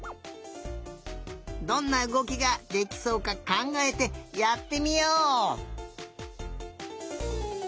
どんなうごきができそうかかんがえてやってみよう！